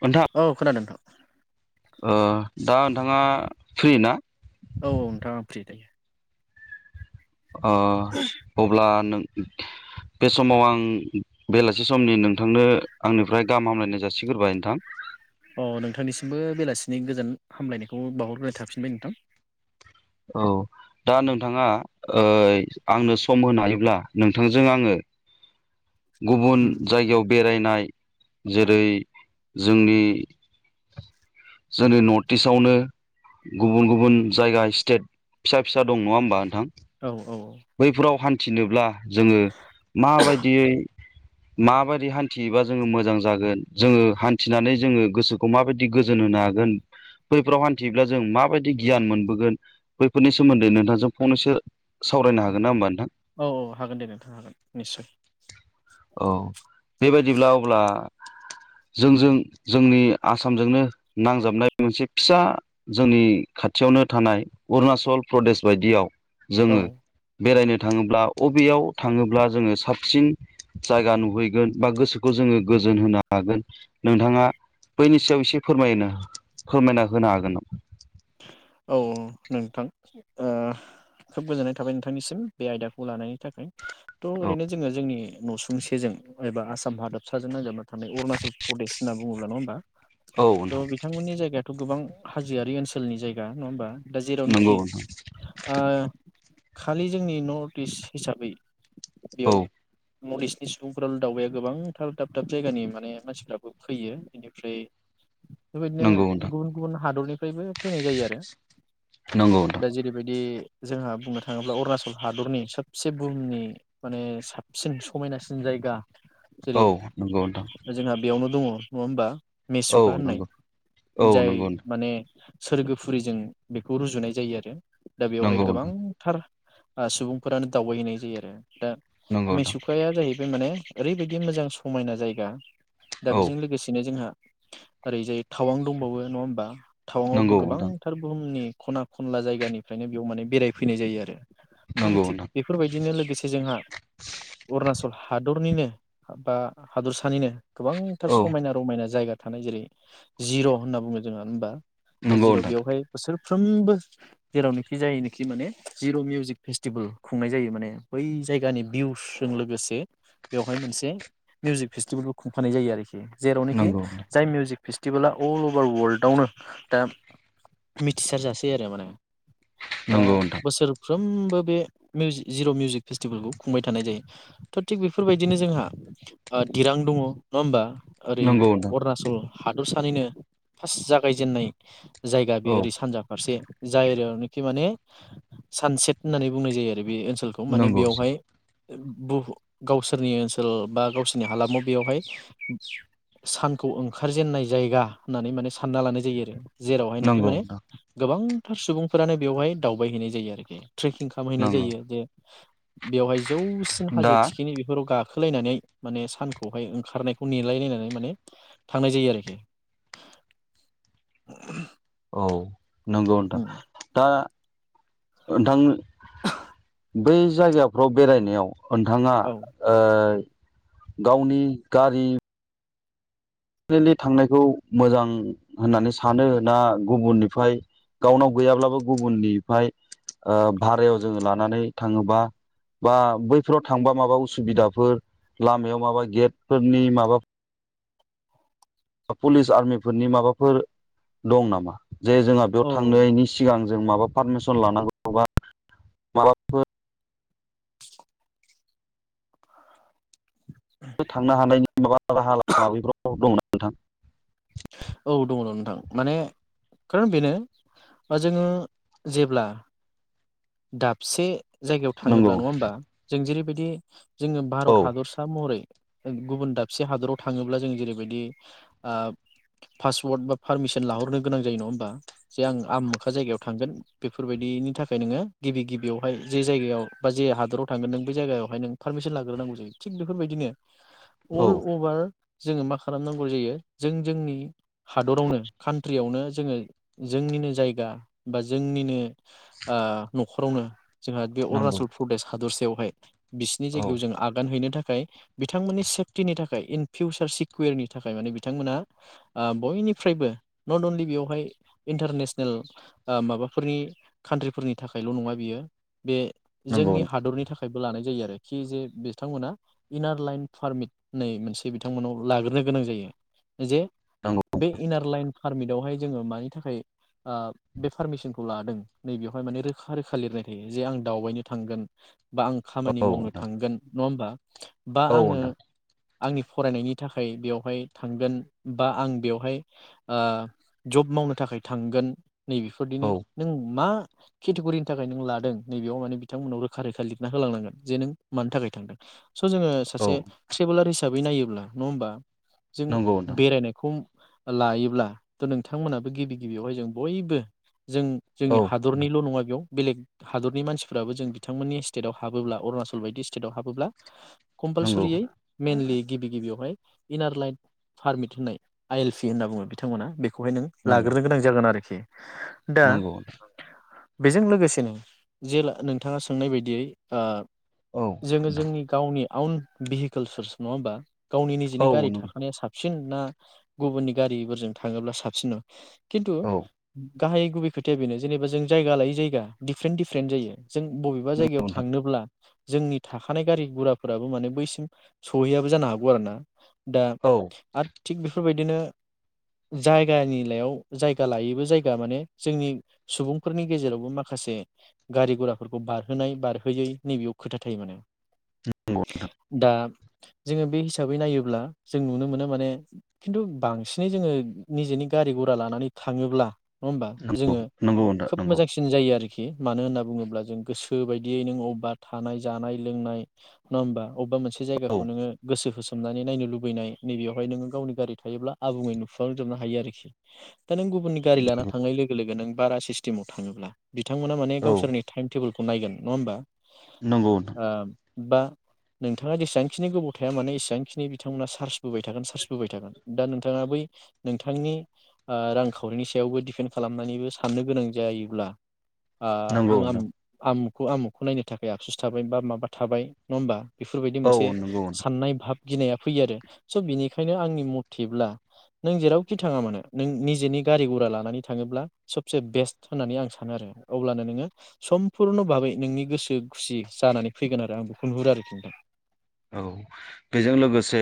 नोंथां औ खोनादों नोंथां औ दा नोंथाङा फ्रि ना? औ औ नोंथां आं फ्रि दे अ अब्ला नों बे समाव आं बेलासि समनि नोंथांनो आंनिफ्राय गाहाम हामलायनाय जासिग्रोबाय नोंथां अ नोंथांनिसिमबो बेलासिनि गोजोन हामलायनाय बावहरग्रोनाय थाफिनबाय नोंथां। औ दा नोंथाङा आंनो सम होनो हायोब्ला नोंथांजों आङो गुबुन उम जायगायाव बेरायनाय जेरै जोंनि जोंनि नर्थ इस्टआवनो गुबुन गुबुन जायगा स्टेट फिसा फिसा दं नङा होमबा नोंथां औ औ बैफोराव हान थिनोब्ला जोङो माबायदियै माबायदि हान्थियोबा जोङो मोजां जागोन जोङो हान्थिनानै जोङो गोसोखौ माबायदि गोजोन होनो हागोन बैफोराव हान्थियोब्ला जों माबायदि गियान मोनबोगोन बैफोरनि सोमोन्दै नोंथांजों फंनैसो सावरायनो हागोन ना होमबा नोंथां? औ औ हागोन दे नोंथां हागोन निस्सय औ बेबायदिब्ला अब्ला जोंजों जोंनि आसामजोंनो नांजाबनाय मोनसे फिसा जोंनि खाथियावनो थानाय अरुणाचल प्रदेश बायदियाव औ जोङो बेरायनो थाङोब्ला बबेयाव थाङोब्ला जोङो साबसिन जायगा नुहैगोन बा गोसोखौ जोङो गोजोन होनो हागोन नोंथाङा बैनि सायाव एसे फोरमायनो फोरमायना होनो हागोन नामा औ नोंथां खोब गोजोननाय थाबाय नोंथांनिसिम बे आयदाखौ लानायनि थाखाय थ' ओरैनो जोङो जोंनि न'सुंसेजों एबा आसाम हादाबसाजों नांजाबना थानाय अरुणाचल प्रदेश होनना बुङोब्ला नङा होनबा औ थ बिथांमोननि जायगायाव थ' गोबां होजोआरि ओनसोलनि जायगा नङा होनबा दा जेरावनोखि ओ खालि जोंनि नर्थ इस्ट हिसाबै बेयाव नर्थ इस्टनि सुबुंफोर दावबाया गोबांथार दाब दाब जायगानि माने मानसिफ्राबो फैयो बेनिफ्राय बेबायदिनो गुबुन गुबुन हादरनि निफ्रायबो फैनाय जायो आरो [inaudible] दा जेरैबायदि जोंहा बुंनो थांङोब्ला अरुणाचल हादरनि सबसे बुहुमनि माने साबसिन समायनासिन जायगा औ जेरै नंगौ नोंथां जोंहा बेयावनो दंङ नंङा होमबा मेसुखा होननाय जाय नोंथां नंगौ नोंथां औ नंगौ नोंथां नंगौ नोंथां औ नंगौ नोंथां औ नंगौ औ नंगौ नोंथां माने सोरगोब फुरिजों बेखौ रुजुनाय जायो आरो दा बेवहाय नंगौ गोबांथार ओ सुबुंफोरानो दावबायहैनाय जायो आरो दा नोंथां मेसुखाया जाहैबाय बेमाने ओरैबायदि मोजां समायना जायगा दा औ बेजों लोगोसेनो जोंहा आरैजाय थावां दंबावो नंङा होमबा थावांआवबो नंगौ नोंथां गोबांथार बुहुमनि खना खनला जायगानिफ्रायनो बेयाव माने बेरायफैनाय जायो आरो आरो नंगौ थिग नोंथां बेफोरबायदिनो लोगोसे जोंहा अरुणाचल हादरनिनो हा बा हादरसानिनो गोबांथार औ समायना रमायना जायगा थानाय जेरै जिर होनना बुंङो जोंङो होनबा नंगौ नोंथां जिर‌बेवहाय बोसोर फ्रोमबो जेरावनोखि जायनोखि माने जिर‌मिउजिक फेस्टिभेल खुंनाय जायो माने बै जायगानि भिउसजों लोगोसे बेवहाय मोनसे मिउजिक फेस्टिभेलबो खुंफानाय जायो आरोखि जेरावनोखि नंगौ नोंथां जाय मिउजिक फेस्टिभोला अल अभार वल्डआवनो दा मिथिसारजासै आरो माने दा नंगौ नोंथां बोसोर फ्रोमबो बे मिउजिक जिर' मिउजिक फेस्टिभेलखौ खुंबाय थानाय जायो थ' थिग बेफोरबायदिनो जोंहा दिरां दंङ नंङा होमबा ओरै नंगौ नोंथां अरुनाचल हादरसानैनो फार्स्ट जागायजेननाय [unintelligible] जायगा औ बेयो ओरै सानजा फारसे जायरोनोखि माने सानसेट होननानै बुंनाय जायो आरो रोबे ओनसोलखौ माने नंगौ बेवहाय बु गावसोरनि ओनसोल बा गावसोरनि हालामाव बेयावहाय सानखौ ओंखारजेनन्नाय जायगा होननानै माने सानना लानाय जायो आरो जेरावहायनोखि नंगौ माने नोंथां गोबां थार सुबुंफोरानो बेवहाय दावबायहैनाय जायो आरोखि ट्रेकिं खामहैनाय नंगौ जायो जे बेवहाय ज जौसिन हाजो दा थिखिनि बेफोराव गाख खोलायनानै माने सानखौहाय ओंखारनायखौ नेलायलायनानै माने थांनाय जायो आरोखि। ओ औ नोंगौ नोंथां दा ओ नोंथां ओ बै जायगाफ्राव बेरायनायाव ओ नोंथाङा औ ओ गावनि गारि पारनेलि थांनायखौ मोजां होननानै सानो ना गुबुननिफ्राय गावनाव गैयाब्लाबो गुबुननिफाय ओ भारायाव जोङो लानानै थाङोबा बा बैफोराव थांबा माबा उसुबिदाफोर लामायाव माबा गेटफोरनि माबा अ पुलिस आर्मिफोरनि माबाफोर दं नामा? जे जोंहा बेयाव औ थांनायनि सिगां जों माबा पार्मिसन लानांगौ बा माबाफोर ओ थांनो हानायनि माबा राहा लामा बेफोराव दं ना? नोंथां औ दङ नोंथां माने खारन बेनो ओ जोङो जेब्ला दाबसे जायगायाव थाङोब्ला नंगौ नङा होमबा? जों जेरै बिदि जोङो औ भारत हादरसा महरै ओ गुबुन दाबसे हादराव थाङोब्ला जों जेरैबायदि ओ पास्पोर्ट बा पारमिसन लाहरनो गोनां जायो नङा होमबा? जे आं आमोखा जायगायाव थांगोन बेफोरबायदिनि थाखाय‌ नोङो गिबि गिबिआवहाय जे जायगायाव बा जे हादराव थांगोन नों बे जायगायावहाय नों पारमिसन लाग्रोनांगौ जायो थिक बेफोरबायदिनो औ अल अभार जोङो मा खालामनांगौ जायो जों जोंनि हादरावनो कान्ट्रियावनो जोङो जोंनिनो जायगा बा जोंनिनो ओ न'खरावनो जोंहा बे नंगौ अरुणाचल प्रदेश हादरस बेवहाय बिसोरनि औ जायगायाव जों आगान हैनो थाख खाय बिथांमोननि सेफटिनि थाखाय इन फिउचार सिकिउरिनि थाखाय माने बिथांमोना ओ बयनिफ्रायबो नट अनलि बेवहाय इन्टारनेसनेल ओ माबाफोरनि कान्ट्रिफोरनि थाखायल नङा बियो बे नंगौ जोंनि हादरनि थाखायबो लानाय। जायो आरोखि जे बिथांमोना इनार लाइन पारमिट नै मोनसे बिथांमोनाव लाग्रोनो गोनां जायो जे नंगौ बे इनार लाइन पारमिट बेवहाय जोंड़ो मानि थाखाय बे पार्मिसनखौ लादों नैय बेवहाय माने रोखा रोखा लिरनाय थायो जे आं दावबायनो थांगोन बा आं खामानि औ मावनो नोंथां थांगोन नङा होमबा? बा औ आङो नोंथां आंनि फरायनायनि थाखाय बेवहाय थांगोन बा आं बेवहाय ओ जब मावनो थाखाय थांगोन नैबेफोरदिनि औ नों मा केटेग'रिनि थाखाय नों लादों नैबेयाव माने बिथांमोनाव रोखा रोखा लिरना होलांनांगोन जे नों मानि थाखाय थांदों स' जोङो सासे औ ट्रेबेलारि बै नायोब्ला नङा होमबा जों नंगौ नोंथां बेरायनायखौ लायोब्ला थ' नोंथांमोनहाबो गिबि गिबियावहाय जों बयबो जों जोंनि औ हादरनि माबेयाव बेलेग हादरनि मानसिफोराबो जों बिथांमोननि स्टेटआव हाबोब्ला अरुणाचल बायदि स्टेटआव हाबोब्ला नंगौ कम्पालसरियै मेन लि गिबि गिबियावहाय इनार लाइट पारमिट होननाय आइ एल पि होनना बुङो बिथांमोना बे खौहाय नों नंगौ लाग्रोन गोनां जागोन आरो नंगौ बेजों लोगोसेनो जे नोंथाङा सोंनाय बायदियै ओ औ जोङो नोंथां जोंनि गावनि आउन भेहिकोल सार्स नङा होनबा गावनि औ निजिनि गारि थाखानाया साबसिन साबसिन ना गुबुननि गारिफोरजों थाङोब्ला साबसिन खिन्थु औ गाहाय गुबै खोथाया बेनो जेनबा जों जायगा लायै जायगा दिफारेन्ट दिफारेन्ट जायो जों बबेबा जायगायाव थांनोब्ला जोंनि थाखानाय गारि गुराफोराबो माने बैसिम सहैयाबो जानो हागौ आरो ना दा आर लिथ बे बेफोरबायदिनो जायगानिलायाव जायगा लायैबो जायगा माने जोंनि सुबुं फोरनि गेजेरावबो माखासे गारि गराफोरखौ बारहोनाय बारहोयै नैबेयाव खोथा थायो माने दा जोङो बे हिसाबै नायोब्ला जों नुनो मोनो माने खिन्थु बांसिनै जोङो निजेनि गारि गघरा लानानै थाङोब्ला नङा होमबा जोङो नंगौ नोंथां औ नंगौ नोंथां नंगौ खोब नोंथां नंगौ मोजांसिन जायो आरोखि खि मानो होनना बुङोब्ला जों गोसो बायदियै नों अबेबा थानाय जानाय लोंनाय नङा होमबा अबेबा मोनसे औ जायगखौनोङ गोसो होसो जनानै नायनो लुबैनाय नैबेयावहाय नोङो गावनि गारि थायोब्ला आबुङै नुफांजोबनो हायो आरोखि दा नों गुबुननि गारि लाना थांनाय लोगो नों बारा सि स्टिमाव थाङोब्ला बिथांमोना माने औ गावसोरनि टाइम टेबोलखौ खौ नायगोन नङा होमबा नंगौ नोंथां ओ बा नोंथाङा जेसेबांखिनि गोबाव थाया मानोे एसेबांखिनि बिथांमोना सार्सबोबाय थागोन सार्सबोबाय थागोन दा नोंथाङा बै नोंथांनि रांखावरिनि सायावबो डिपेन्ड खालामनानैबो साननो गोनां जायोब्ला नंगौ ओ नोंथां आं बे खौ आमुखौ नायनो थाखाय आबसुस थाबाय बा माबा थाबाय नङा होमबा बेफोरबायदि मोनसे औ नंगौ साननाय भाब गिनाया फैयो आरो स' बिनिखायनो आंनि मथेब्ला नों जेरावखि थाङा मानो नों निजेनि गारि घरा लानानै थाङोब्ला सबसे बेस्ट होननानै आं सानो आरो अब्लानो नोङो समपुरन भाबै नोंनि गोसो खुसि जानानै फैगोन आरो आं बेखौ नुहुरो आरोिथां औ बेजों लोगोसे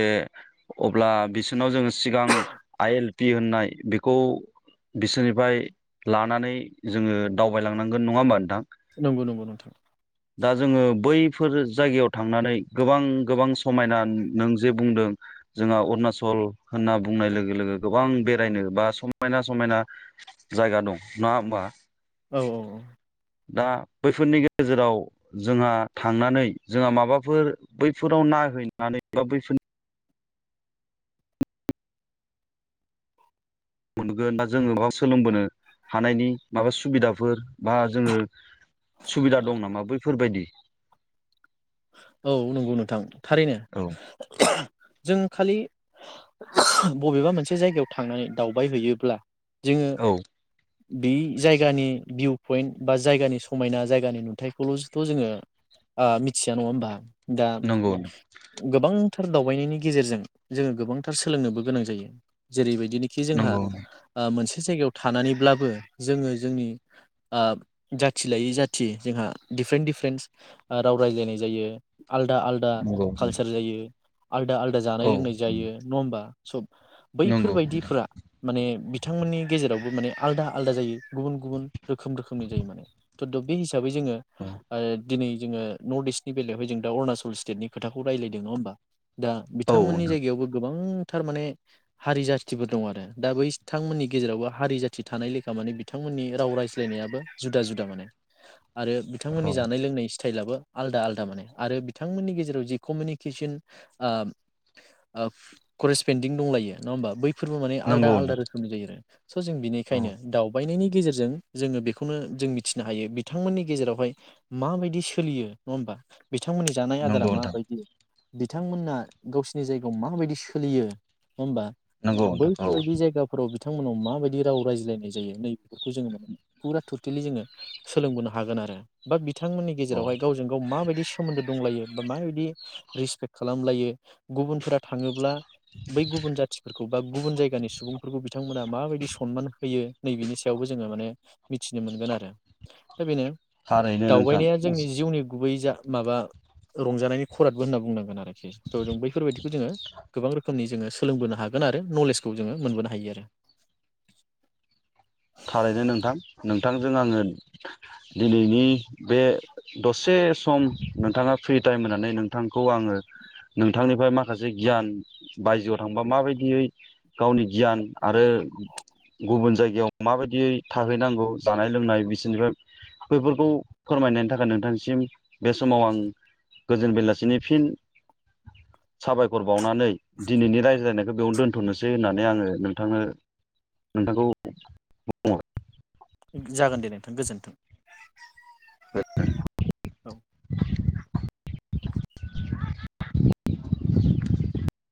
अब्ला बिसोरनाव जोङो सिगां आइ एल पि होननाय बेखौ बिसोरनिफ्राय लानानै जोङो दावबायलांनांगोन नङा होमबा नोंथां नंगौ नंगौ नोंथां दा जोङो बै बेफोर जायगायाव थांनानै गोबां गोबां समायना नों जे बुंदों जोंहा अरुनाचल होनना बुंनाय लोगो लोगो गोबां बेरायनो बा समायना समायना जायगा दं नङा होमबा औ औ औ दा बैफोरनि गेजेराव जोंहा थांनानै जोंहा माबाफोर बैफोराव नायहैनानै बा बैफोरनि मोनगोन बा जोङो बा सोलोंबोनो हानायनि माबा सुबिदाफोर बा जोङो सुबिदा दं नामा बैफोरबायदि औ नंगौ नोंथां थारैनो औ जों खालि बबेबा मोनसे जायगायाव थांनानै दावबाय हैैयोब्ला जोङो औ बे जायगानि भिउ पइन्ट बा जायगानि समायना जायगानि नुथायखौल'थ' जोङो मोनथिया नङा होमबा दा नंगौ गोबां थार दावबायनायनि गेजेरजों जोङो गोबांथार सोलोंनोबो गोनां जायो जेरैबायदिनोखि जोंहा नंगौ मोनसे मोनसे जायगायाव थानानैब्लाबो जोङो जोंनि ओ जाथि लायै जाथि जोंहा डिफारेन्ट डिफारेन्ट राव रायज्लायनाय जायो । आलदा आलदा नंगौ औ नंगौ कालसार जायो । आलदा आलदा जानाय औ लोंनाय जायो नङा होमबा? स' बैफोरबायदिफोरा माने बिथां बिथांमोननि गेजेरावबो माने आलदा आलादा जायो गुबुन गुबुन रोखोम रोखोमनि जायो माने बे हिस हिसाबै जोङो ओ दिनै जोङो नर्थ इस्टनि बेलायावहाय दा जों अरुणाचल स्टेटनि खोथाखौ रायलायदों नङा होमबा? दा औ बिथांमोननि नोंथां जायगायावबो गोबां थारमाने हारि जाथिफोर दं आरो दा बै बिथांमोननि गेजेरावबो हारि जाथि थानाय लेखा माने बिथांमोननि राव रायज्लायनायाबो जुदा जुदा माने। आरो बिथांमोननि औ जानाय लोंनाय फिथाइ लाबो आलदा आलदा माने आरो बिथांमोननि गेजेराव जि कमिउनिकेसन ओ ओ करेसपेन्दिं दंलायो नङा होमबा बै फोरबो माने आलदा नंगौ आलादा नोंथां रोखोमनि जायो आरो स' जों औ बिनिखायनो दावबायनायनि गेजेरजों जोङो बेखौनो जों मिथिनो हायो बिथांमोननि गेजेरावहाय माबायदि सोलियो नङा ओम्बा? बिथांमोननि जानाय आदारा नंगौ नोंथां माबायदि? बिथांमोना गावसिनि जायगायाव माबायदि सोलियो होमबा नंगौ नोंथां औ बैफोरबायदि जायगाफोराव बिथांमोनाव माबायदि राव रायज्लायनाय जायो नै बेफोरखौ जोङो माने फुरा टटेलि जोङो सोलोंबोनो हागोन आरो बा बिथांमोननि औ गेजेरावहाय जों गाव माबायदि सोमोन्दो दंलायो बा माबायदि रिसपेक्ट खालामलायो गुबुनफोरा थाङोब्ला बै गुबुन जाथिफोरखौ बा गुबुन जायगानि सुबुंफोरखौ बिथांमोना माबायदि सनमान होयो नैबेनि सायावबो जोङो माने मिथिनो मोनगोन आरो। दा बेनो थारैनो नोंथां दावबायनाया जोंनि गुबै जा माबा रंजानायनि खरादबो होनना बुंनांगोन आरोखि। [unintelligible] बैफोरबायदिखौ जोङो गोबां रोखोमनि जोङो सोलोंबोनो हागोन आरो नलेजखौ जोङो मोनबोनो हायो आरो थारैनो नोंथां नोंथांजों आङो दिनैनि बे दसे सम नोंथाङा फ्रि टाइम होनानै नोंथांखौ आङो नोंथांनिफ्राय माखासे गियान बायजोआव थांबा माबायदियै गावनि गियान आरो गुबुन जायगायाव माबायदियै थाहैनांगौ जानाय लोंनाय बिसोरनिफ्राय बैफोरखौ फोरमायनायनि थाखाय नोंथांसिम बे समाव आं गोजोन बेलासिनि फिन साबायखर बाउनानै दिनैनि रायज्लायनायखो बेयावनो दोन्थ'नोसै होननानै आङो नोंथांनो नोंथांखौ औ। जागोन दे नोंथां गोजोन्थों। औ।